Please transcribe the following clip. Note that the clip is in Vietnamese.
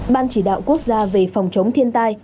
ban chỉ đạo quốc gia về phòng chống thiên tai